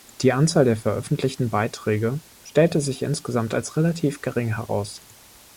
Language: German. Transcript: Die Anzahl der veröffentlichten Beiträge stelle sich insgesamt als relativ gering heraus.